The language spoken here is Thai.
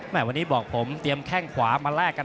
ไม่รู้จะออกอะไร